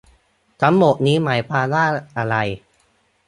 ทั้งหมดนี้หมายความว่าอะไร